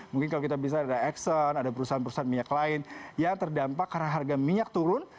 mungkin kalau kita bisa ada exxon ada perusahaan perusahaan minyak lain yang terdampak karena harga minyak turun